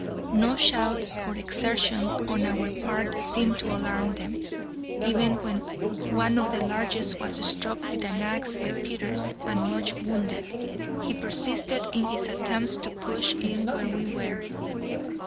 No shouts or exertions on our part seemed to alarm them. Even when one of the largest was struck with an axe by Peters and much wounded, he persisted in his attempts to push in where we were.